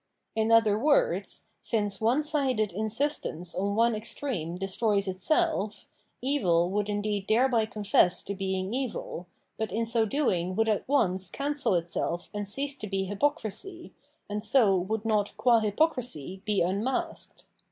In other words, since onesided insistence on one extreme destroys itself, evil would indeed thereby confess to being evil, but in so doing would at once cancel itself and cease to be hypocrisy, and so would not qua hypocrisy be unmasked.